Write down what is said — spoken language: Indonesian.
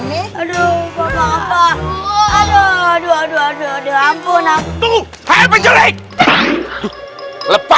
makanya jangan lontong tua